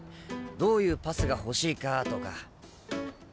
どういうパスが欲しいかとか。